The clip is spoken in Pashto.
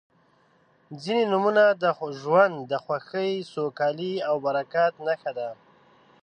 •ځینې نومونه د ژوند د خوښۍ، سوکالۍ او برکت نښه ده.